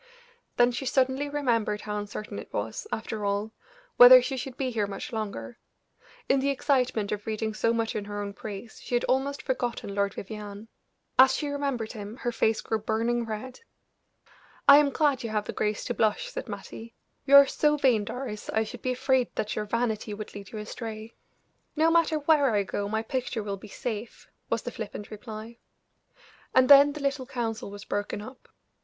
Then she suddenly remembered how uncertain it was, after all, whether she should be here much longer; in the excitement of reading so much in her own praise, she had almost forgotten Lord Vivianne. As she remembered him her face grew burning red. "I am glad you have the grace to blush," said Mattie. "You are so vain, Doris, I should be afraid that your vanity would lead you astray." "No matter where I go my picture will be safe," was the flippant reply. And then the little council was broken up.